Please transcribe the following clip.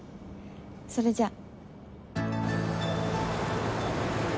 それじゃあ。